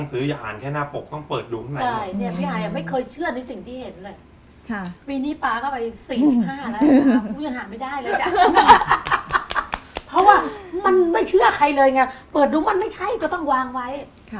เพราะว่ามันไม่เชื่อใครเลยไงเปิดดูมันไม่ใช่ก็ต้องวางไว้